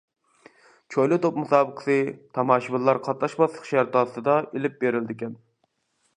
چويلا توپ مۇسابىقىسى، تاماشىبىنلار قاتناشماسلىق شەرتى ئاستىدا ئېلىپ بېرىلىدىكەن.